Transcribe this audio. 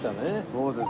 そうです。